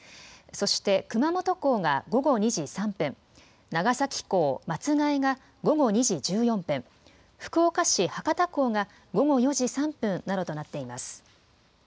そして、熊本港が午後２時３分、長崎港松が枝が午後２時１４分、福岡市博多港が午後４時３分などとなっています。